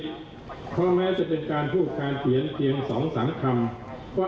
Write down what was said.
เพราะแม้จะเป็นการพูดการเขียนเพียง๒๓คำ